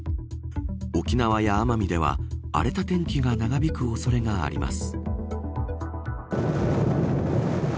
沖縄や奄美では荒れた天気が長引く恐れがあります。